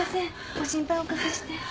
ご心配おかけして。